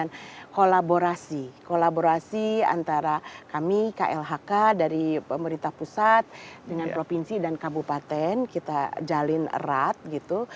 dan kolaborasi kolaborasi antara kami klhk dari pemerintah pusat dengan provinsi dan kabupaten kita jalin erat gitu